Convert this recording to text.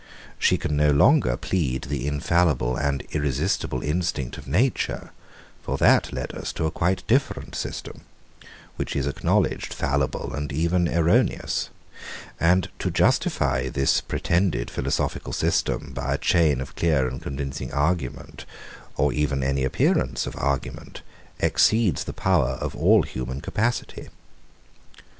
She can no longer plead the infallible and irresistible instinct of nature: for that led us to a quite different system, which is acknowledged fallible and even erroneous. And to justify this pretended philosophical system, by a chain of clear and convincing argument, or even any appearance of argument, exceeds the power of all human capacity.